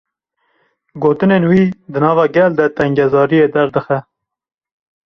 Gotinên wî, di nava gel de tengezariyê derdixe